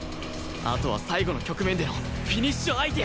あとは最後の局面でのフィニッシュアイデア！